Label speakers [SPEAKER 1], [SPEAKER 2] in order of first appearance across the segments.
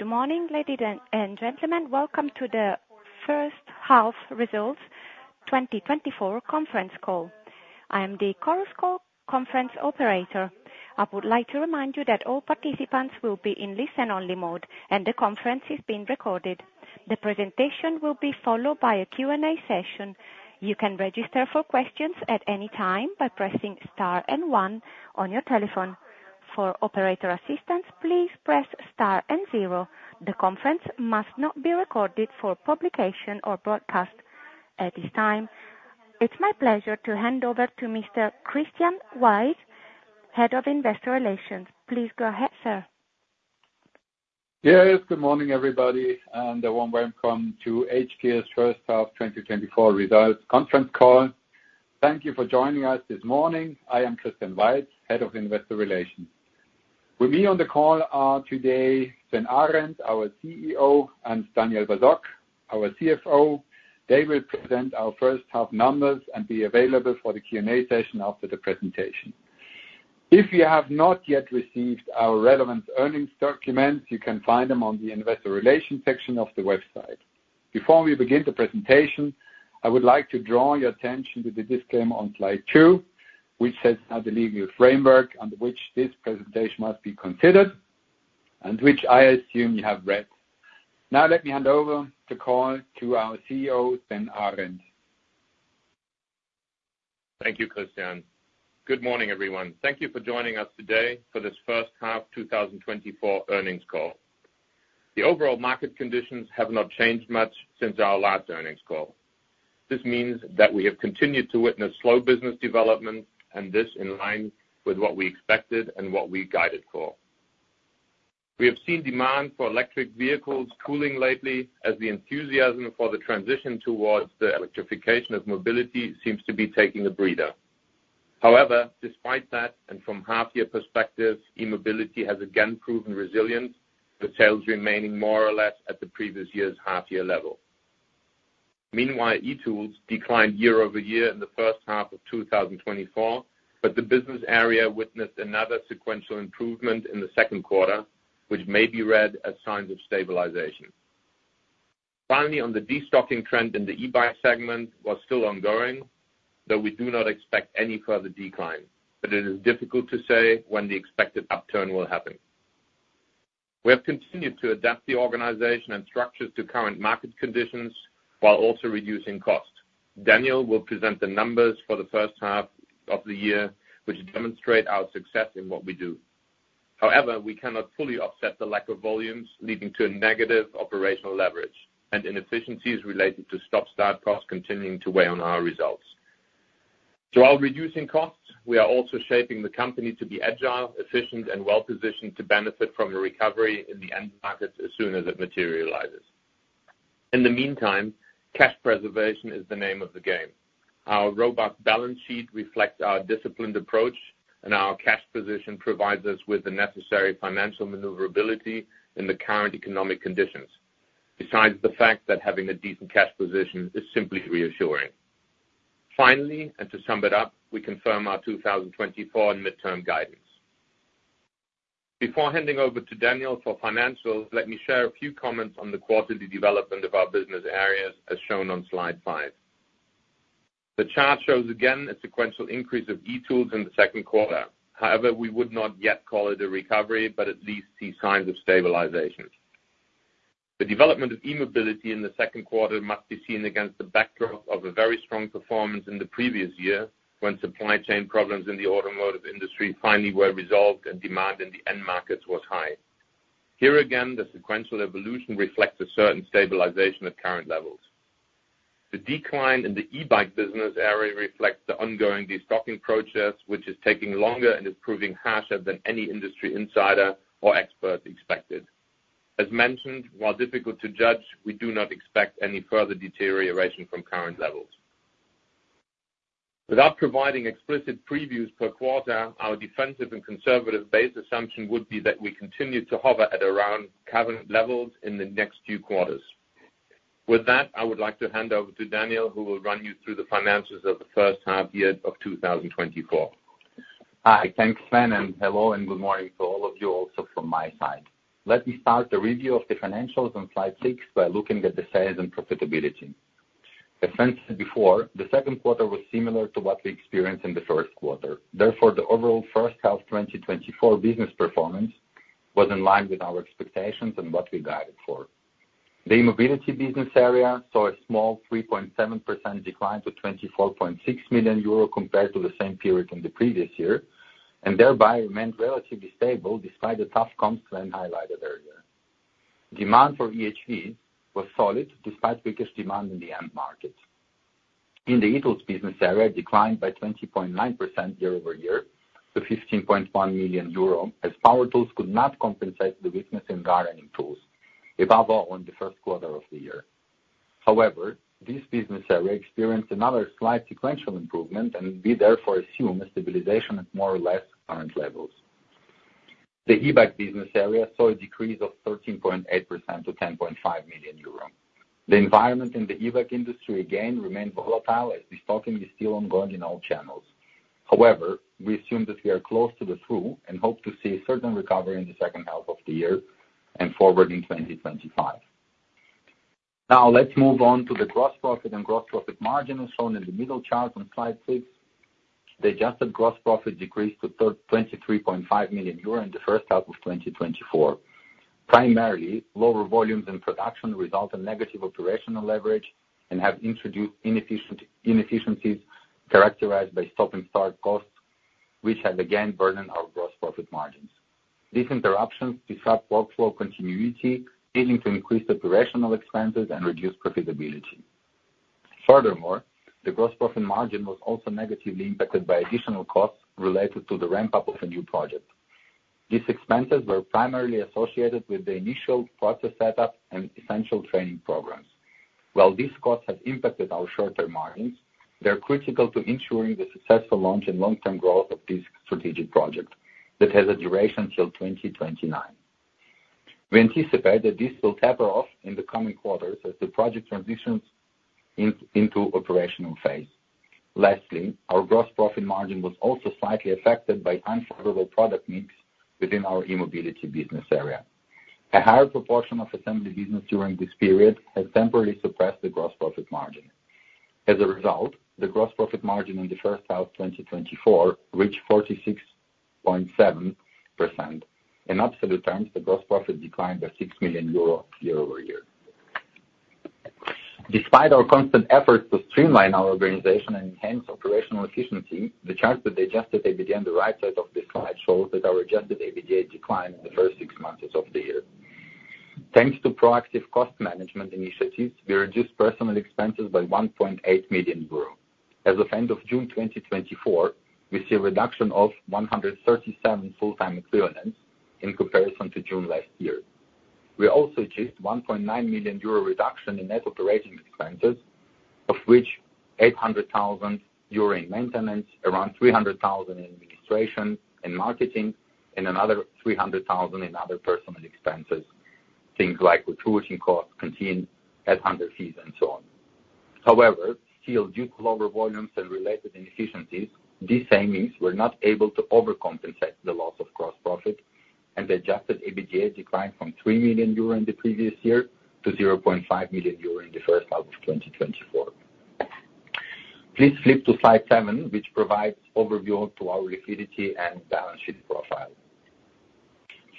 [SPEAKER 1] Good morning, ladies and gentlemen. Welcome to the first half results 2024 conference call. I am the Chorus Call conference operator. I would like to remind you that all participants will be in listen-only mode, and the conference is being recorded. The presentation will be followed by a Q&A session. You can register for questions at any time by pressing star and one on your telephone. For operator assistance, please press star and zero. The conference must not be recorded for publication or broadcast. At this time, it's my pleasure to hand over to Mr. Christian Weiz, Head of Investor Relations. Please go ahead, sir.
[SPEAKER 2] Yes, good morning, everybody, and a warm welcome to hGears first half 2024 results conference call. Thank you for joining us this morning. I am Christian Weiz, Head of Investor Relations. With me on the call are today, Sven Arend, our CEO, and Daniel Basok, our CFO. They will present our first half numbers and be available for the Q&A session after the presentation. If you have not yet received our relevant earnings documents, you can find them on the investor relations section of the website. Before we begin the presentation, I would like to draw your attention to the disclaimer on slide 2, which sets out the legal framework under which this presentation must be considered, and which I assume you have read. Now, let me hand over the call to our CEO, Sven Arend.
[SPEAKER 3] Thank you, Christian. Good morning, everyone. Thank you for joining us today for this first half 2024 earnings call. The overall market conditions have not changed much since our last earnings call. This means that we have continued to witness slow business development, and this in line with what we expected and what we guided for. We have seen demand for electric vehicles cooling lately, as the enthusiasm for the transition towards the electrification of mobility seems to be taking a breather. However, despite that, and from half year perspective, e-mobility has again proven resilient, with sales remaining more or less at the previous year's half year level. Meanwhile, e-tools declined year-over-year in the first half of 2024, but the business area witnessed another sequential improvement in the second quarter, which may be read as signs of stabilization. Finally, on the destocking trend in the e-bike segment was still ongoing, though we do not expect any further decline, but it is difficult to say when the expected upturn will happen. We have continued to adapt the organization and structures to current market conditions while also reducing costs. Daniel will present the numbers for the first half of the year, which demonstrate our success in what we do. However, we cannot fully offset the lack of volumes, leading to a negative operational leverage and inefficiencies related to stop-start costs continuing to weigh on our results. So while reducing costs, we are also shaping the company to be agile, efficient, and well-positioned to benefit from a recovery in the end markets as soon as it materializes. In the meantime, cash preservation is the name of the game. Our robust balance sheet reflects our disciplined approach, and our cash position provides us with the necessary financial maneuverability in the current economic conditions. Besides the fact that having a decent cash position is simply reassuring. Finally, and to sum it up, we confirm our 2024 midterm guidance. Before handing over to Daniel for financials, let me share a few comments on the quarterly development of our business areas, as shown on slide 5. The chart shows again a sequential increase of e-tools in the second quarter. However, we would not yet call it a recovery, but at least see signs of stabilization. The development of e-mobility in the second quarter must be seen against the backdrop of a very strong performance in the previous year, when supply chain problems in the automotive industry finally were resolved and demand in the end markets was high. Here again, the sequential evolution reflects a certain stabilization at current levels. The decline in the e-bike business area reflects the ongoing destocking process, which is taking longer and is proving harsher than any industry insider or expert expected. As mentioned, while difficult to judge, we do not expect any further deterioration from current levels. Without providing explicit previews per quarter, our defensive and conservative base assumption would be that we continue to hover at around current levels in the next few quarters. With that, I would like to hand over to Daniel, who will run you through the finances of the first half year of 2024.
[SPEAKER 4] Hi. Thanks, Sven, and hello, and good morning to all of you, also from my side. Let me start the review of the financials on slide 6 by looking at the sales and profitability. As mentioned before, the second quarter was similar to what we experienced in the first quarter. Therefore, the overall first half 2024 business performance was in line with our expectations and what we guided for. The e-mobility business area saw a small 3.7% decline to 24.6 million euro compared to the same period in the previous year, and thereby remained relatively stable despite the tough comps trend highlighted earlier. Demand for EHV was solid, despite weaker demand in the end market. In the e-tools business area, declined by 20.9% year-over-year to 15.1 million euro, as power tools could not compensate the weakness in gardening tools, above all on the first quarter of the year. However, this business area experienced another slight sequential improvement and we therefore assume a stabilization at more or less current levels. The e-bike business area saw a decrease of 13.8% to 10.5 million euros. The environment in the e-bike industry again remained volatile, as destocking is still ongoing in all channels.... However, we assume that we are close to the trough, and hope to see a certain recovery in the second half of the year and forward in 2025. Now, let's move on to the gross profit and gross profit margin as shown in the middle chart on slide six. The adjusted gross profit decreased to 23.5 million euro in the first half of 2024. Primarily, lower volumes and production result in negative operational leverage and have introduced inefficiencies characterized by stop-and-start costs, which have again burdened our gross profit margins. These interruptions disrupt workflow continuity, leading to increased operational expenses and reduced profitability. Furthermore, the gross profit margin was also negatively impacted by additional costs related to the ramp-up of a new project. These expenses were primarily associated with the initial process setup and essential training programs. While these costs have impacted our short-term margins, they're critical to ensuring the successful launch and long-term growth of this strategic project that has a duration till 2029. We anticipate that this will taper off in the coming quarters as the project transitions into operational phase. Lastly, our gross profit margin was also slightly affected by unfavorable product mix within our e-mobility business area. A higher proportion of assembly business during this period has temporarily suppressed the gross profit margin. As a result, the gross profit margin in the first half 2024 reached 46.7%. In absolute terms, the gross profit declined by 6 million euro year-over-year. Despite our constant efforts to streamline our organization and enhance operational efficiency, the chart that they adjusted, EBITDA on the right side of this slide, shows that our adjusted EBITDA declined in the first six months of the year. Thanks to proactive cost management initiatives, we reduced personnel expenses by 1.8 million euros. As of end of June 2024, we see a reduction of 137 full-time equivalents in comparison to June last year. We also achieved a 1.9 million euro reduction in net operating expenses, of which 800,000 euro during maintenance, around 300,000 in administration and marketing, and another 300,000 in other personal expenses, things like recruiting costs, continued headhunter fees, and so on. However, still due to lower volumes and related inefficiencies, these savings were not able to overcompensate the loss of gross profit, and the adjusted EBITDA declined from 3 million euro in the previous year to 0.5 million euro in the first half of 2024. Please flip to slide seven, which provides overview to our liquidity and balance sheet profile.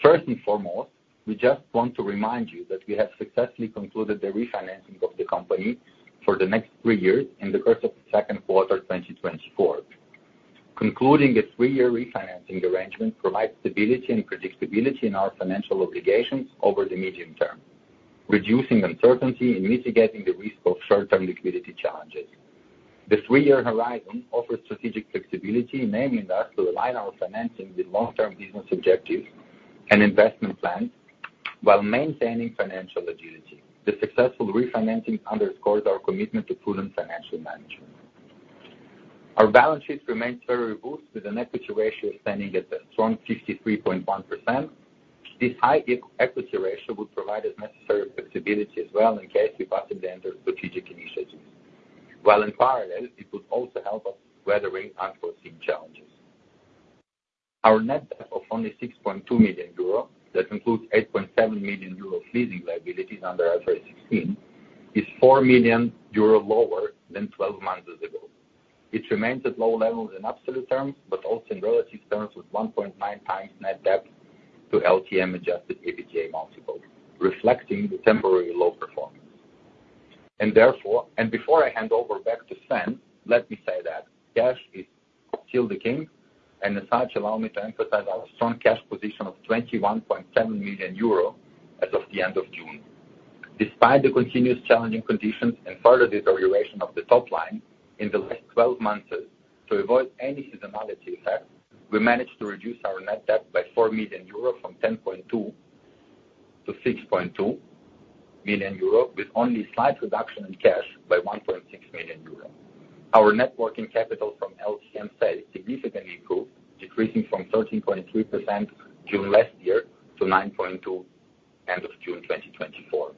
[SPEAKER 4] First and foremost, we just want to remind you that we have successfully concluded the refinancing of the company for the next three years in the course of the second quarter of 2024. Concluding a three-year refinancing arrangement provides stability and predictability in our financial obligations over the medium term, reducing uncertainty and mitigating the risk of short-term liquidity challenges. The three-year horizon offers strategic flexibility, enabling us to align our financing with long-term business objectives and investment plans while maintaining financial agility. The successful refinancing underscores our commitment to prudent financial management. Our balance sheet remains very robust, with an equity ratio standing at a strong 53.1%. This high equity ratio will provide us necessary flexibility as well in case we pass it under strategic initiatives, while in parallel, it would also help us weathering unforeseen challenges. Our net debt of only 6.2 million euros, that includes 8.7 million euros of leasing liabilities under IFRS 16, is 4 million euros lower than 12 months ago, which remains at low levels in absolute terms, but also in relative terms, with 1.9x net debt to LTM adjusted EBITDA multiple, reflecting the temporary low performance. And therefore, and before I hand over back to Sven, let me say that cash is still the king, and as such, allow me to emphasize our strong cash position of 21.7 million euro as of the end of June. Despite the continuous challenging conditions and further deterioration of the top line in the last 12 months, to avoid any seasonality effect, we managed to reduce our net debt by 4 million euro from 10.2 million to 6.2 million euro, with only slight reduction in cash by 1.6 million euro. Our net working capital from LTM sales significantly improved, decreasing from 13.3% June last year to 9.2% end of June 2024.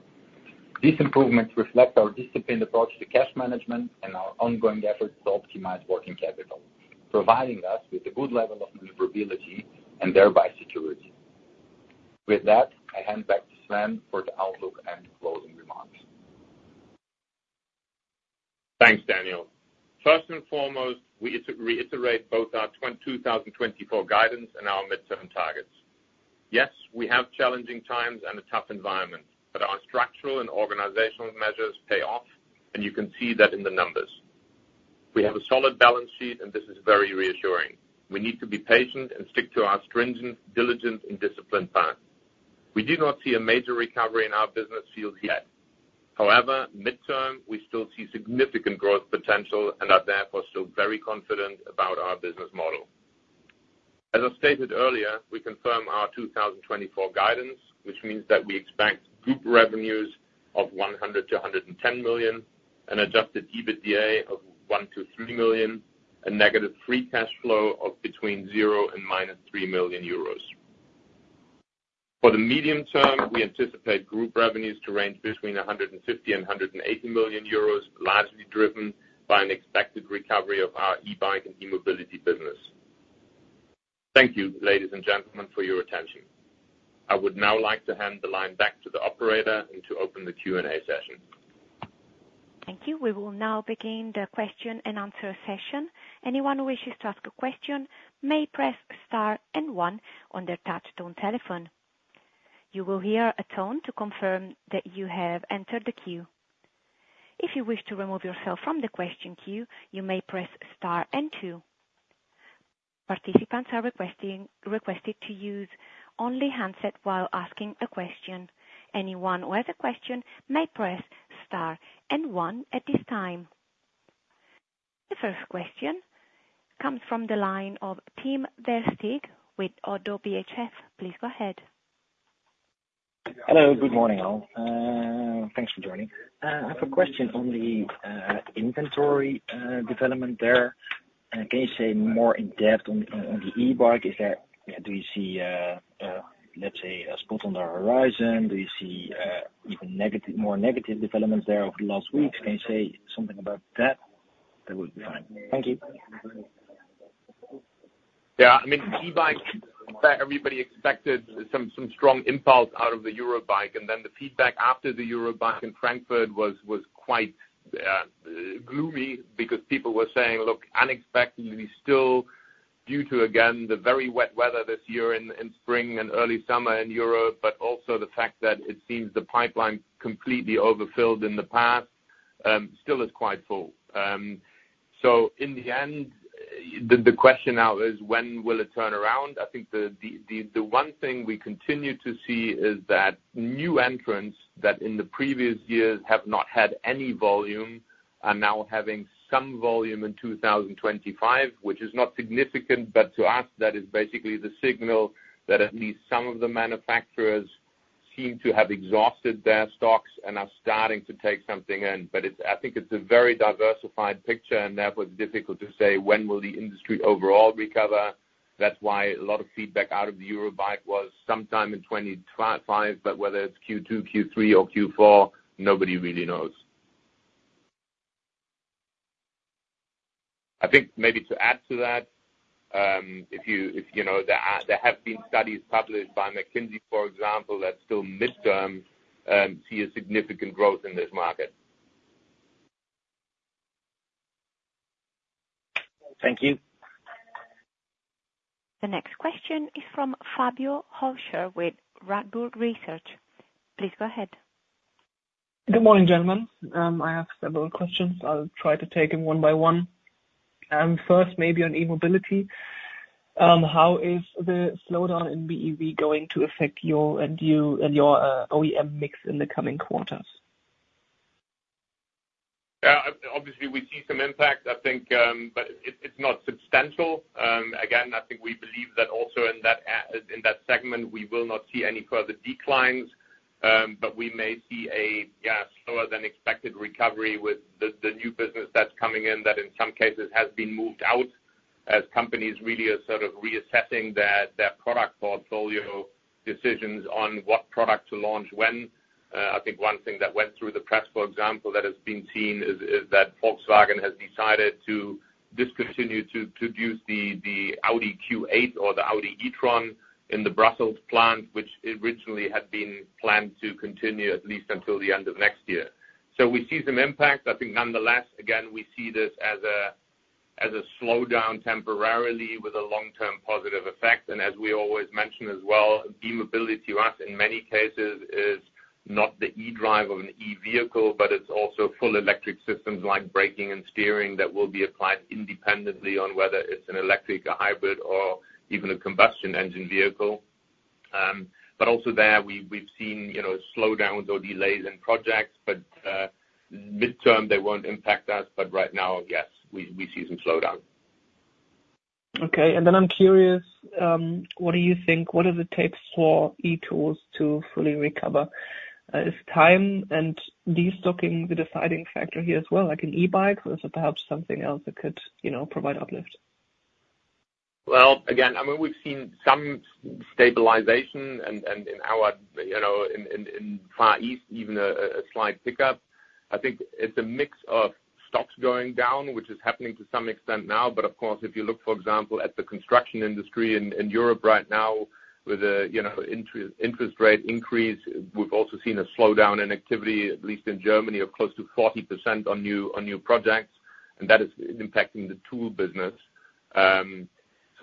[SPEAKER 4] These improvements reflect our disciplined approach to cash management and our ongoing efforts to optimize working capital, providing us with a good level of maneuverability and thereby security. With that, I hand back to Sven for the outlook and closing remarks.
[SPEAKER 3] Thanks, Daniel. First and foremost, we reiterate both our 2024 guidance and our midterm targets. Yes, we have challenging times and a tough environment, but our structural and organizational measures pay off, and you can see that in the numbers. We have a solid balance sheet, and this is very reassuring. We need to be patient and stick to our stringent, diligent, and disciplined path. We do not see a major recovery in our business fields yet. However, midterm, we still see significant growth potential and are therefore still very confident about our business model. As I stated earlier, we confirm our 2024 guidance, which means that we expect group revenues of 100 million-110 million, an adjusted EBITDA of 1 million-3 million, and negative free cash flow of between 0 million and -3 million euros. For the medium term, we anticipate group revenues to range between 150 million euros and 180 million euros, largely driven by an expected recovery of our e-bike and e-mobility business. Thank you, ladies and gentlemen, for your attention. I would now like to hand the line back to the operator and to open the Q&A session.
[SPEAKER 1] Thank you. We will now begin the question and answer session. Anyone who wishes to ask a question may press star and one on their touchtone telephone. You will hear a tone to confirm that you have entered the queue. If you wish to remove yourself from the question queue, you may press star and two. Participants are requested to use only the handset while asking a question. Anyone who has a question may press star and one at this time. The first question comes from the line of Tim Versteegh with ODDO BHF. Please go ahead.
[SPEAKER 5] Hello, good morning, all. Thanks for joining. I have a question on the inventory development there. Can you say more in-depth on the e-bike? Do you see, let's say, a spot on the horizon? Do you see even more negative developments there over the last weeks? Can you say something about that? That would be fine. Thank you.
[SPEAKER 3] Yeah, I mean, e-bike, in fact, everybody expected some strong impulse out of the Eurobike, and then the feedback after the Eurobike in Frankfurt was quite gloomy, because people were saying, look, unexpectedly still, due to, again, the very wet weather this year in spring and early summer in Europe, but also the fact that it seems the pipeline completely overfilled in the past still is quite full. So in the end, the question now is: When will it turn around? I think the one thing we continue to see is that new entrants that in the previous years have not had any volume are now having some volume in 2025, which is not significant, but to us, that is basically the signal that at least some of the manufacturers seem to have exhausted their stocks and are starting to take something in. But it's. I think it's a very diversified picture, and therefore difficult to say, when will the industry overall recover? That's why a lot of feedback out of the Eurobike was sometime in 2025, but whether it's Q2, Q3 or Q4, nobody really knows. I think maybe to add to that, if you know, there have been studies published by McKinsey, for example, that still midterm see a significant growth in this market.
[SPEAKER 5] Thank you.
[SPEAKER 1] The next question is from Fabio Hölscher with Warburg Research. Please go ahead.
[SPEAKER 6] Good morning, gentlemen. I have several questions. I'll try to take them one by one. First, maybe on e-mobility. How is the slowdown in BEV going to affect your view and your OEM mix in the coming quarters?
[SPEAKER 3] Yeah, obviously, we see some impact, I think, but it, it's not substantial. Again, I think we believe that also in that segment, we will not see any further declines, but we may see a slower than expected recovery with the new business that's coming in, that in some cases has been moved out, as companies really are sort of reassessing their product portfolio decisions on what product to launch when. I think one thing that went through the press, for example, that has been seen is that Volkswagen has decided to discontinue to produce the Audi Q8 e-tron in the Brussels plant, which originally had been planned to continue at least until the end of next year. So we see some impacts. I think nonetheless, again, we see this as a slowdown temporarily with a long-term positive effect. And as we always mention as well, e-mobility to us, in many cases, is not the e-drive of an e-vehicle, but it's also full electric systems like braking and steering that will be applied independently on whether it's an electric, a hybrid or even a combustion engine vehicle. But also there, we've seen, you know, slowdowns or delays in projects, but midterm, they won't impact us. But right now, yes, we see some slowdown.
[SPEAKER 6] Okay. And then I'm curious, what do you think, what are the takes for e-tools to fully recover? Is time and destocking the deciding factor here as well, like in e-bike, or is it perhaps something else that could, you know, provide uplift?
[SPEAKER 3] Well, again, I mean, we've seen some stabilization and in our, you know, in Far East, even a slight pickup. I think it's a mix of stocks going down, which is happening to some extent now. But of course, if you look, for example, at the construction industry in Europe right now with a, you know, interest rate increase, we've also seen a slowdown in activity, at least in Germany, of close to 40% on new projects, and that is impacting the tool business.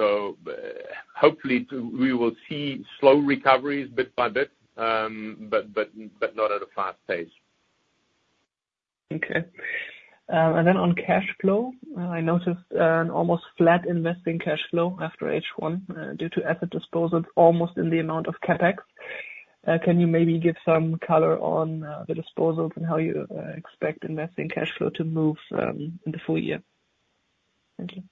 [SPEAKER 3] So hopefully, we will see slow recoveries bit by bit, but not at a fast pace.
[SPEAKER 6] Okay. And then on cash flow, I noticed an almost flat investing cash flow after H1 due to asset disposals almost in the amount of CapEx. Can you maybe give some color on the disposals and how you expect investing cash flow to move in the full year? Thank you.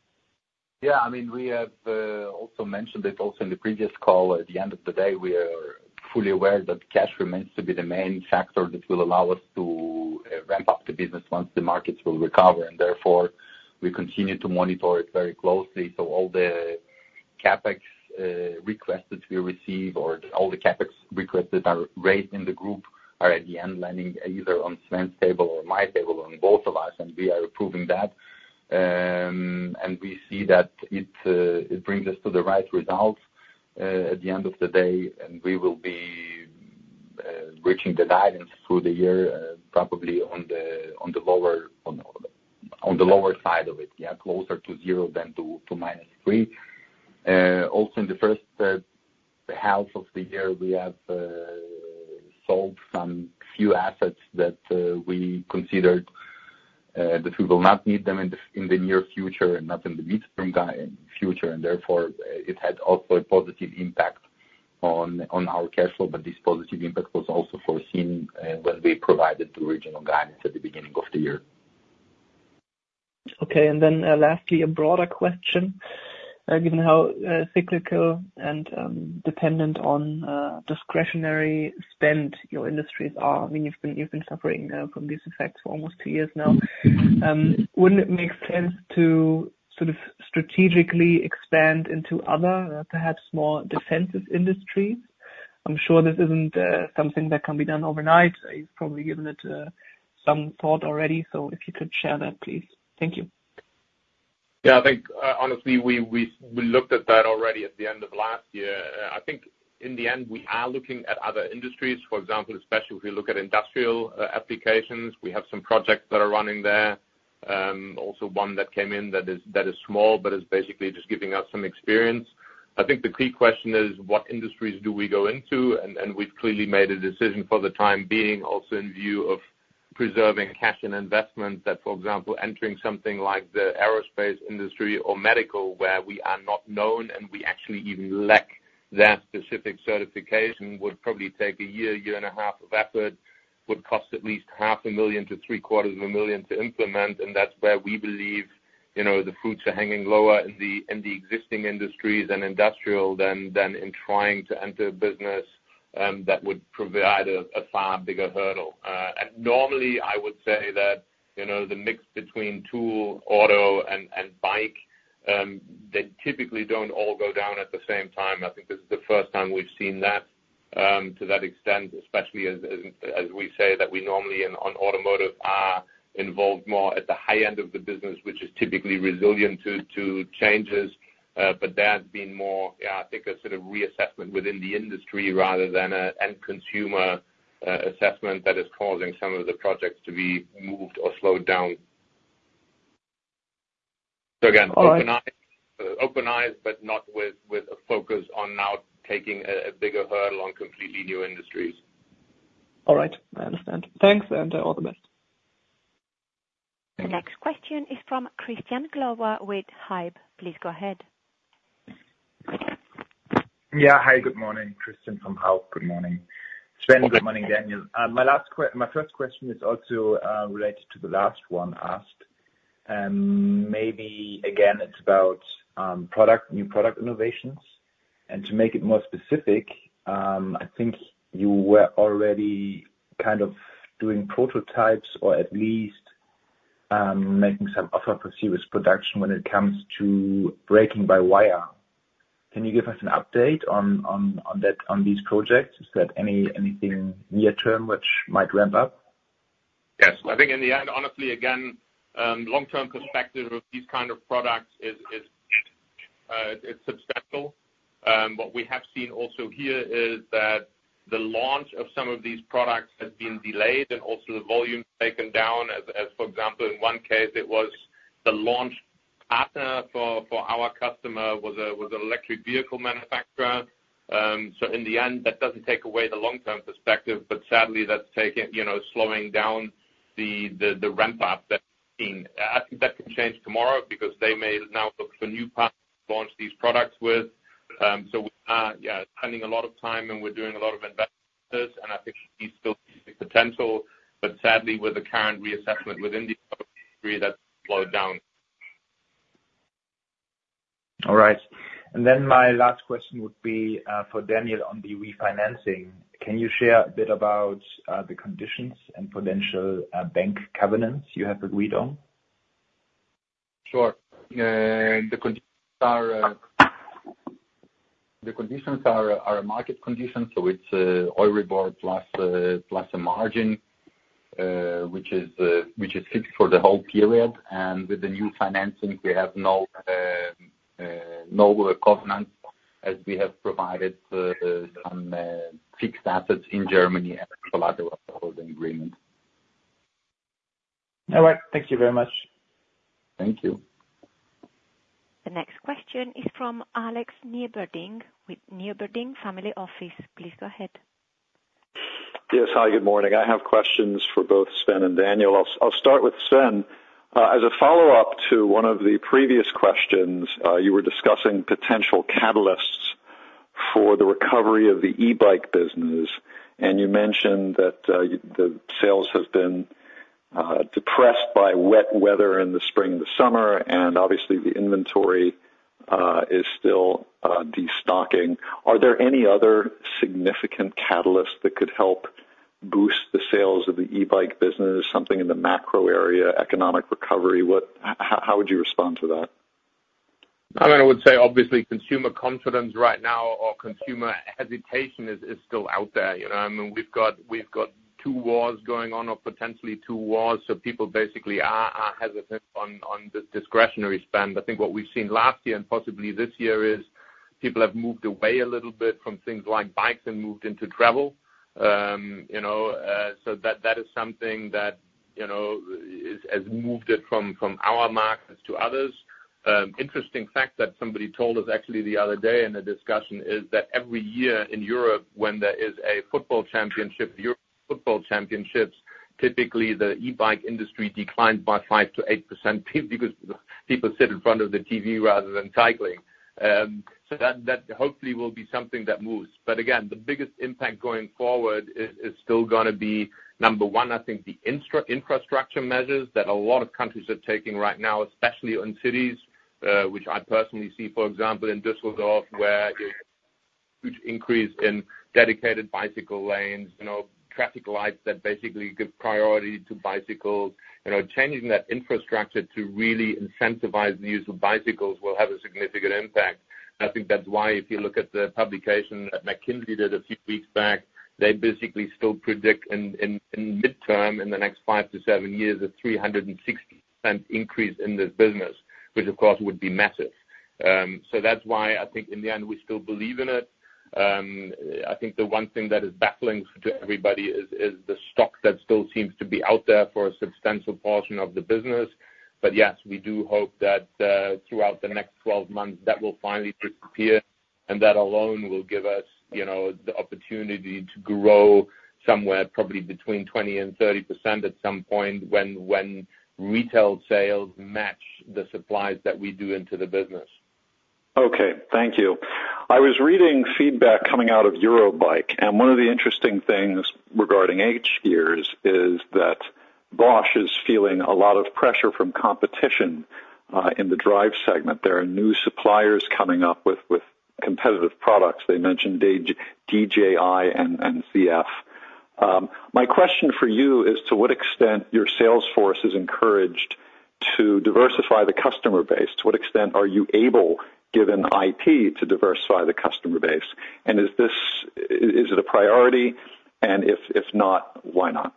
[SPEAKER 4] Yeah, I mean, we have also mentioned it also in the previous call. At the end of the day, we are fully aware that cash remains to be the main factor that will allow us to-... ramp up the business once the markets will recover, and therefore, we continue to monitor it very closely. So all the CapEx requests that we receive or all the CapEx requests that are raised in the group are at the end landing either on Sven's table or my table, or on both of us, and we are approving that. And we see that it brings us to the right results at the end of the day, and we will be reaching the guidance through the year, probably on the lower side of it, yeah, closer to 0 than to -3. Also in the first half of the year, we have sold some few assets that we considered that we will not need them in the near future and not in the mid-term future, and therefore, it had also a positive impact on our cash flow. But this positive impact was also foreseen when we provided the original guidance at the beginning of the year.
[SPEAKER 6] Okay, and then, lastly, a broader question. Given how cyclical and dependent on discretionary spend your industries are, I mean, you've been, you've been suffering from these effects for almost two years now. Wouldn't it make sense to sort of strategically expand into other, perhaps more defensive industries? I'm sure this isn't something that can be done overnight. You've probably given it some thought already, so if you could share that, please. Thank you.
[SPEAKER 3] Yeah, I think, honestly, we looked at that already at the end of last year. I think in the end, we are looking at other industries, for example, especially if we look at industrial applications, we have some projects that are running there. Also one that came in that is small, but is basically just giving us some experience. I think the key question is, what industries do we go into? And we've clearly made a decision for the time being, also in view of preserving cash and investment, that, for example, entering something like the aerospace industry or medical, where we are not known, and we actually even lack that specific certification, would probably take a year, a year and a half of effort, would cost at least 500,000-750,000 to implement. That's where we believe, you know, the fruits are hanging lower in the existing industries and industrial than in trying to enter a business that would provide a far bigger hurdle. And normally I would say that, you know, the mix between tool, auto, and bike, they typically don't all go down at the same time. I think this is the first time we've seen that to that extent, especially as we say, that we normally in, on automotive, are involved more at the high end of the business, which is typically resilient to changes. But there has been more, yeah, I think a sort of reassessment within the industry rather than an end consumer assessment that is causing some of the projects to be moved or slowed down. So again, open eyes, but not with a focus on now taking a bigger hurdle on completely new industries.
[SPEAKER 6] All right, I understand. Thanks, and, all the best.
[SPEAKER 4] Thank you.
[SPEAKER 1] The next question is from Christian Glowa with Hauck Aufhäuser Investment Banking. Please go ahead.
[SPEAKER 7] Yeah, hi, good morning, Christian Glowa from Hauck Aufhäuser Investment Banking. Good morning. Sven, good morning, Daniel. My first question is also related to the last one asked, maybe again, it's about product, new product innovations. And to make it more specific, I think you were already kind of doing prototypes or at least making some offer for serious production when it comes to brake-by-wire. Can you give us an update on that, on these projects? Is there anything near term which might ramp up?
[SPEAKER 3] Yes. I think in the end, honestly, again, long-term perspective of these kind of products is substantial. What we have seen also here is that the launch of some of these products has been delayed and also the volume taken down as, for example, in one case, it was the launch partner for our customer was an electric vehicle manufacturer. So in the end, that doesn't take away the long-term perspective, but sadly, that's taking... You know, slowing down the ramp up. I think that could change tomorrow because they may now look for new partners to launch these products with. We are, yeah, spending a lot of time, and we're doing a lot of investments, and I think we still see the potential, but sadly, with the current reassessment within the industry, that's slowed down.
[SPEAKER 7] All right. And then my last question would be, for Daniel on the refinancing. Can you share a bit about the conditions and potential bank covenants you have agreed on?
[SPEAKER 4] Sure. The conditions are market conditions, so it's EURIBOR plus a margin, which is fixed for the whole period. And with the new financing, we have no covenants, as we have provided some fixed assets in Germany and collateral holding agreement.
[SPEAKER 7] All right. Thank you very much.
[SPEAKER 4] Thank you.
[SPEAKER 1] The next question is from Alex Nieberding, with Nieberding Family Office. Please go ahead.
[SPEAKER 8] Yes, hi, good morning. I have questions for both Sven and Daniel. I'll start with Sven. As a follow-up to one of the previous questions, you were discussing potential catalysts for the recovery of the e-bike business, and you mentioned that the sales have been depressed by wet weather in the spring and the summer, and obviously, the inventory-... is still destocking. Are there any other significant catalysts that could help boost the sales of the e-bike business? Something in the macro area, economic recovery? How would you respond to that?
[SPEAKER 3] I mean, I would say, obviously, consumer confidence right now or consumer hesitation is still out there, you know? I mean, we've got two wars going on or potentially two wars, so people basically are hesitant on the discretionary spend. I think what we've seen last year, and possibly this year, is people have moved away a little bit from things like bikes and moved into travel. You know, so that is something that, you know, has moved it from our markets to others. Interesting fact that somebody told us actually the other day in a discussion: every year in Europe, when there is a football championship, European football championships, typically the e-bike industry declines by 5%-8% because people sit in front of the TV rather than cycling. So that, that hopefully will be something that moves. But again, the biggest impact going forward is still gonna be, number one, I think the infrastructure measures that a lot of countries are taking right now, especially in cities, which I personally see, for example, in Düsseldorf, where a huge increase in dedicated bicycle lanes, you know, traffic lights that basically give priority to bicycles. You know, changing that infrastructure to really incentivize the use of bicycles will have a significant impact. I think that's why if you look at the publication that McKinsey did a few weeks back, they basically still predict in midterm, in the next five to seven years, a 360% increase in this business, which, of course, would be massive. So that's why I think in the end, we still believe in it. I think the one thing that is baffling to everybody is the stock that still seems to be out there for a substantial portion of the business. But yes, we do hope that throughout the next 12 months, that will finally disappear, and that alone will give us, you know, the opportunity to grow somewhere probably between 20% and 30% at some point when retail sales match the supplies that we do into the business.
[SPEAKER 8] Okay, thank you. I was reading feedback coming out of Eurobike, and one of the interesting things regarding hGears is that Bosch is feeling a lot of pressure from competition in the drive segment. There are new suppliers coming up with competitive products. They mentioned DJI and ZF. My question for you is to what extent your sales force is encouraged to diversify the customer base? To what extent are you able, given it, to diversify the customer base? And is it a priority? And if not, why not?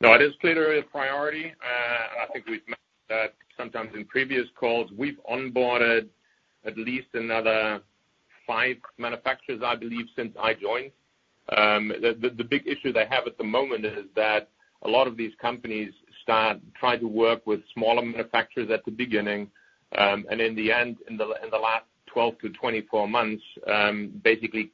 [SPEAKER 3] No, it is clearly a priority. I think we've mentioned that sometimes in previous calls. We've onboarded at least another five manufacturers, I believe, since I joined. The big issue they have at the moment is that a lot of these companies try to work with smaller manufacturers at the beginning, and in the end, in the last 12-24 months, basically,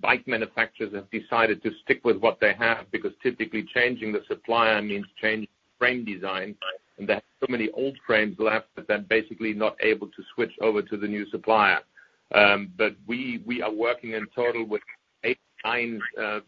[SPEAKER 3] bike manufacturers have decided to stick with what they have, because typically changing the supplier means changing frame design, and there are so many old frames left that they're basically not able to switch over to the new supplier. But we are working in total with eight kinds of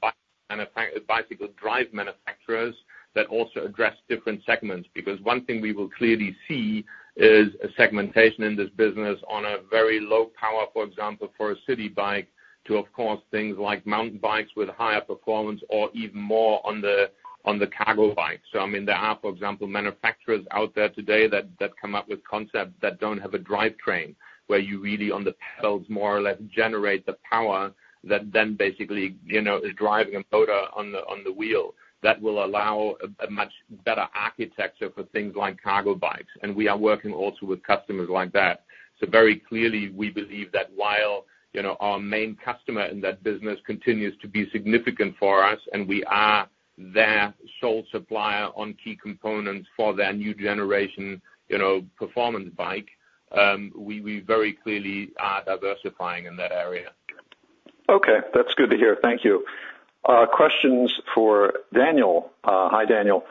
[SPEAKER 3] bicycle drive manufacturers that also address different segments, because one thing we will clearly see is a segmentation in this business on a very low power, for example, for a city bike, to, of course, things like mountain bikes with higher performance or even more on the cargo bikes. So I mean, there are, for example, manufacturers out there today that come up with concepts that don't have a drivetrain, where you really, on the pedals, more or less generate the power that then basically, you know, is driving a motor on the wheel. That will allow a much better architecture for things like cargo bikes, and we are working also with customers like that. Very clearly, we believe that while, you know, our main customer in that business continues to be significant for us, and we are their sole supplier on key components for their new generation, you know, performance bike, we very clearly are diversifying in that area.
[SPEAKER 8] Okay. That's good to hear. Thank you. Questions for Daniel. Hi, Daniel.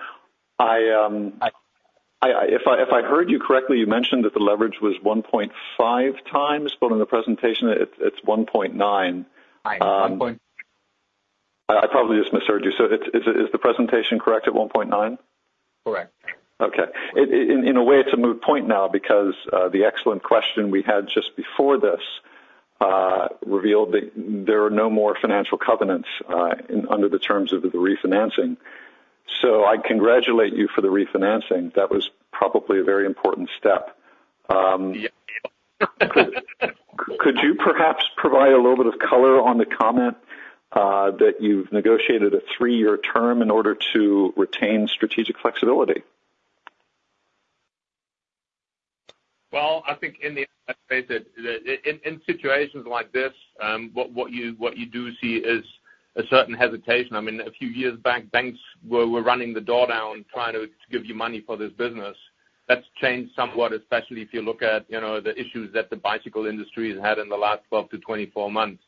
[SPEAKER 8] If I heard you correctly, you mentioned that the leverage was 1.5 times, but in the presentation, it's 1.9. I probably just misheard you. So is the presentation correct at 1.9?
[SPEAKER 4] Correct.
[SPEAKER 8] Okay. In a way, it's a moot point now because the excellent question we had just before this revealed that there are no more financial covenants under the terms of the refinancing. So I congratulate you for the refinancing. That was probably a very important step.
[SPEAKER 4] Yeah.
[SPEAKER 8] Could you perhaps provide a little bit of color on the comment that you've negotiated a three-year term in order to retain strategic flexibility?
[SPEAKER 9] Well, I think in the end, I'd say that in situations like this, what you do see is a certain hesitation. I mean, a few years back, banks were beating the door down trying to give you money for this business. That's changed somewhat, especially if you look at, you know, the issues that the bicycle industry has had in the last 12-24 months.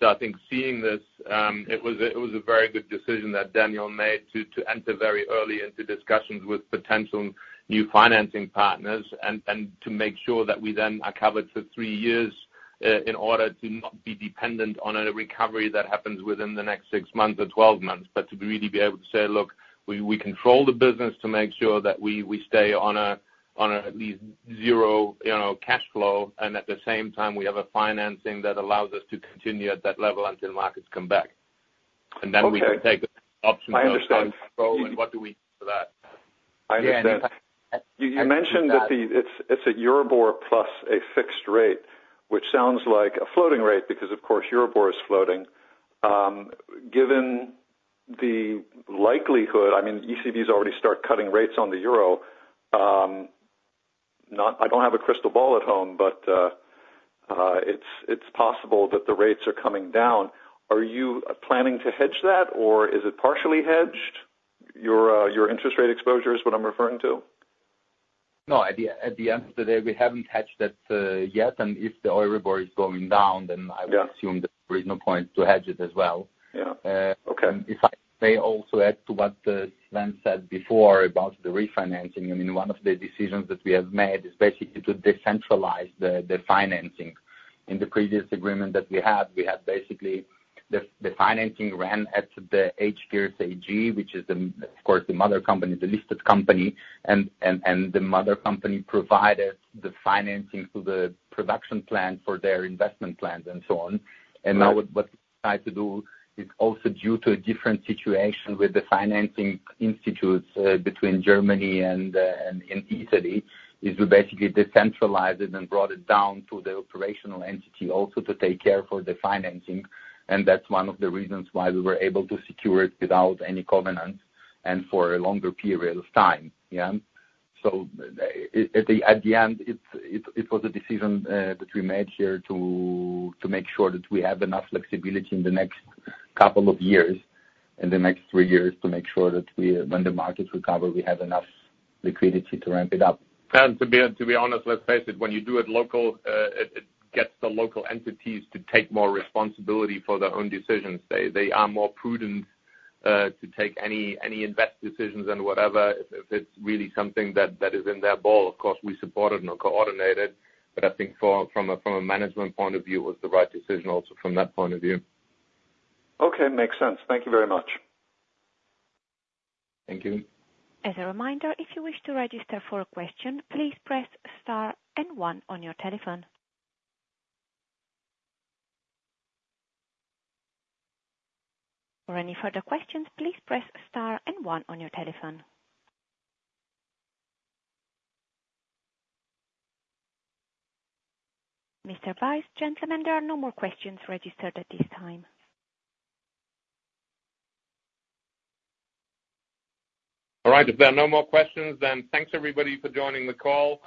[SPEAKER 9] So I think seeing this, it was a very good decision that Daniel made to enter very early into discussions with potential new financing partners and to make sure that we then are covered for three years. In order to not be dependent on a recovery that happens within the next 6 months or 12 months, but to really be able to say, "Look, we, we control the business to make sure that we, we stay on a, on a at least zero, you know, cash flow, and at the same time, we have a financing that allows us to continue at that level until markets come back.
[SPEAKER 5] Okay.
[SPEAKER 4] And then we can take options-
[SPEAKER 8] I understand.
[SPEAKER 4] What do we do for that?
[SPEAKER 8] I understand. You mentioned that it's a Euribor plus a fixed rate, which sounds like a floating rate, because, of course, Euribor is floating. Given the likelihood, I mean, ECB has already start cutting rates on the euro. I don't have a crystal ball at home, but it's possible that the rates are coming down. Are you planning to hedge that, or is it partially hedged? Your interest rate exposure is what I'm referring to.
[SPEAKER 4] No, at the end of the day, we haven't hedged that yet, and if the Euribor is going down, then-
[SPEAKER 8] Yeah
[SPEAKER 4] I would assume that there is no point to hedge it as well.
[SPEAKER 8] Yeah. Okay.
[SPEAKER 4] If I may also add to what Sven said before about the refinancing. I mean, one of the decisions that we have made is basically to decentralize the financing. In the previous agreement that we had, we had basically the financing ran at the hGears AG, which is, of course, the mother company, the listed company. And the mother company provided the financing to the production plant for their investment plans and so on.
[SPEAKER 8] Right.
[SPEAKER 4] And now what we tried to do is also due to a different situation with the financing institutes between Germany and Italy, is we basically decentralized it and brought it down to the operational entity, also to take care for the financing, and that's one of the reasons why we were able to secure it without any covenants and for a longer period of time, yeah? So at the end, it was a decision that we made here to make sure that we have enough flexibility in the next couple of years, in the next three years, to make sure that we, when the markets recover, we have enough liquidity to ramp it up.
[SPEAKER 3] To be honest, let's face it, when you do it local, it gets the local entities to take more responsibility for their own decisions. They are more prudent to take any investment decisions and whatever, if it's really something that is in their ball. Of course, we support it, not coordinate it, but I think from a management point of view, it was the right decision also from that point of view.
[SPEAKER 8] Okay, makes sense. Thank you very much.
[SPEAKER 4] Thank you.
[SPEAKER 1] As a reminder, if you wish to register for a question, please press star and one on your telephone. For any further questions, please press star and one on your telephone. Mr. Weiz, gentlemen, there are no more questions registered at this time.
[SPEAKER 2] All right, if there are no more questions, then thanks, everybody, for joining the call.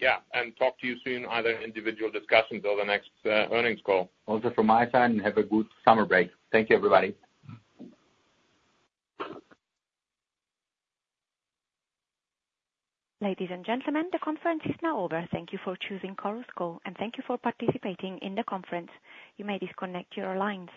[SPEAKER 2] Yeah, and talk to you soon, either individual discussions or the next earnings call.
[SPEAKER 4] Also from my side, and have a good summer break. Thank you, everybody.
[SPEAKER 1] Ladies and gentlemen, the conference is now over. Thank you for choosing Chorus Call, and thank you for participating in the conference. You may disconnect your lines.